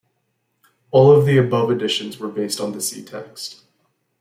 All of the above editions were based on the C-text.